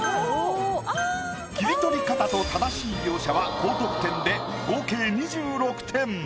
切り取り方と正しい描写は高得点で合計２６点。